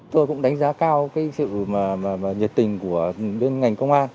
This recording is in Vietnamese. tôi cũng đánh giá cao cái sự nhiệt tình của bên ngành công an